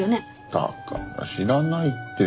だから知らないって。